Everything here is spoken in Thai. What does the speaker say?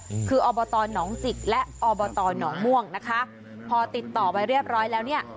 อืมคืออบตหนองจิกและอบตหนองม่วงนะคะพอติดต่อไปเรียบร้อยแล้วเนี้ย